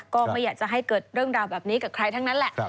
ก็ไม่อยากจะให้เกิดเรื่องราวแบบนี้กับใครทั้งนั้นแหละ